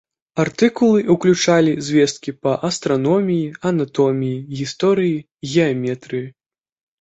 Артыкулы ўключалі звесткі па астраноміі, анатоміі, гісторыі, геаметрыі.